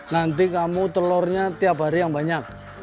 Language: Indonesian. nanti kamu telurnya tiap hari yang banyak